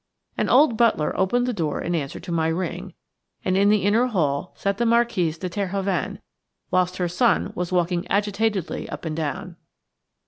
An old butler opened the door in answer to my ring, and in the inner hall sat the Marquise de Terhoven, whilst her son was walking agitatedly up and down.